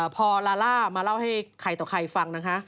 พอลาล่ามาเล่าให้ใครต่อใครฟังนะคะ